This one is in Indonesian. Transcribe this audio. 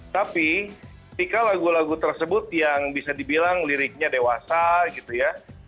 tapi ketika lagu lagu tersebut yang bisa dibilang liriknya dewasa gitu ya